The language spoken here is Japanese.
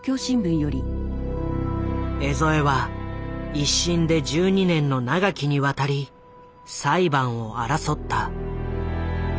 江副は一審で１２年の長きにわたり裁判を争った。